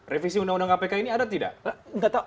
revisi undang undang kpk ini ada atau tidak